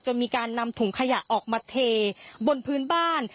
มีการนำถุงขยะออกมาเทบนพื้นบ้าน